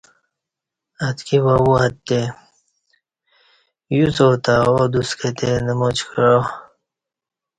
اتکی واو اتے یوڅ آو تہ آدوس کتے نماچ کعا